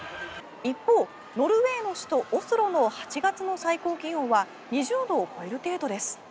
一方、ノルウェーの首都オスロの８月の最高気温は２０度を超える程度です。